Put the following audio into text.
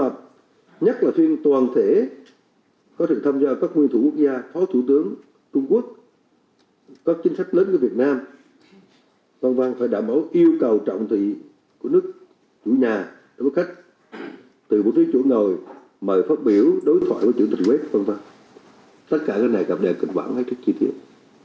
phát biểu đối thoại với chủ tịch wef tất cả các nơi này gặp đề kịch bản hay thích chi tiết